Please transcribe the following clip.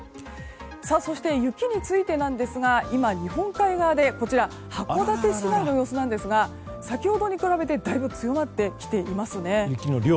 そして、雪についてなんですが今、日本海側で、こちら函館市内の様子ですが先ほどに比べてだいぶ強まってきていますね。